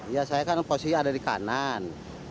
ya saya kan posisi ada di kanan